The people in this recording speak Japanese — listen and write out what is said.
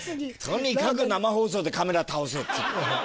とにかく生放送でカメラ倒せ。